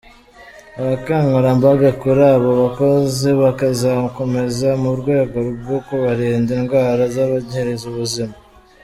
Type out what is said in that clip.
Ubukangurambaga kuri aba bakozi bukazakomeza mu rwego rwo kubarinda indwara zabangiriza ubuzima.